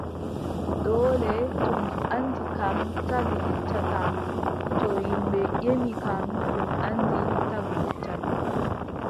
Doole to mi anndi kam, tagu yeccata, to ƴimɓe ƴemi kam to mi anndi, tagu yeccan.